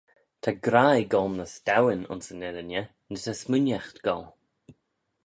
Ta graih goll ny s'dowin ayns yn irriney, ny ta smooinaght goll.